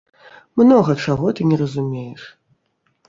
Многа чаго ты не разумееш!